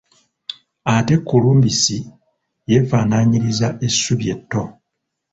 Ate kulumbisi yeefaanaanyiriza essubi etto.